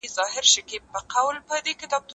تاسي خپلي زده کړي په پښتو ژبه کي پر مخ بوزئ